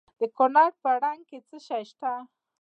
د کونړ په نرنګ کې څه شی شته؟